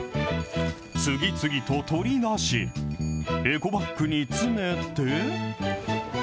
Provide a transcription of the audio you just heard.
次々と取り出し、エコバッグに詰めて。